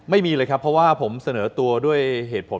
ไม่มีเลยครับเพราะว่าผมเสนอตัวด้วยเหตุผล